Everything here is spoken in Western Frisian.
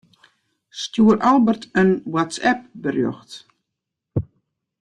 Stjoer Albert in WhatsApp-berjocht.